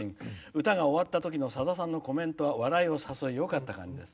歌が終わったあとのさださんのコメントは笑いを誘い、よかった感じです。